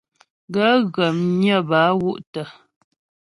Gaə̂ ghə̀ mnyə́ bə a wú’ tə'.